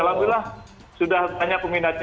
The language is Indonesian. alhamdulillah sudah banyak peminatnya